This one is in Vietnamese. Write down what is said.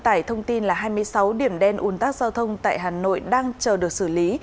tải thông tin là hai mươi sáu điểm đen un tắc giao thông tại hà nội đang chờ được xử lý